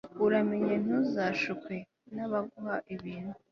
uramenye, ntuzashukwe n'abaguha ibintu